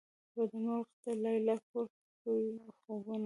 بده غرمه ده ليلا کور کوي خوبونه